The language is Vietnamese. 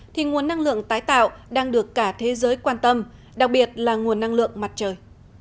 thì nguồn năng lượng tái tạo đang được cả thế giới quan tâm đặc biệt là nguồn năng lượng mặt trời